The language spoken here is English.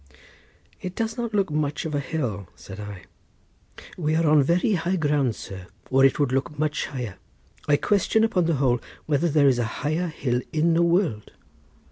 "It does not look much of a hill," said I. "We are on very high ground, sir, or it would look much higher. I question, upon the whole, whether there is a higher hill in the world.